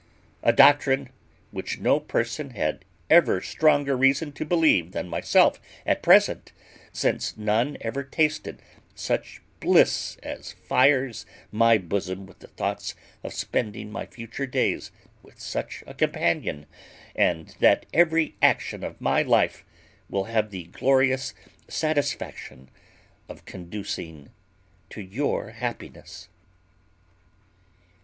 A doctrine which no person had ever stronger reason to believe than myself at present, since none ever tasted such bliss as fires my bosom with the thoughts of spending my future days with such a companion, and that every action of my life will have the glorious satisfaction of conducing to your happiness."